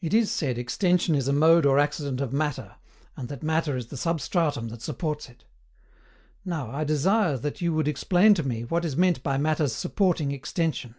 It is said EXTENSION is a MODE or accident OF MATTER, and that Matter is the SUBSTRATUM that supports it. Now I desire that you would explain to me what is meant by Matter's SUPPORTING extension.